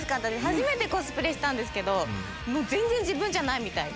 初めてコスプレしたんですけど全然自分じゃないみたいで。